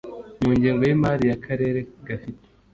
Mu ngengo y imari ya Akarere gafite